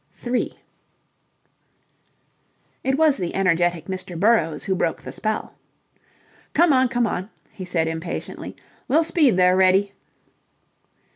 3 It was the energetic Mr. Burrowes who broke the spell. "Come on, come on," he said impatiently. "Li'l speed there, Reddy."